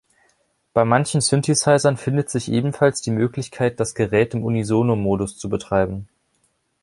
Bei manchen Synthesizern findet sich ebenfalls die Möglichkeit, das Gerät im Unisono-Modus zu betreiben.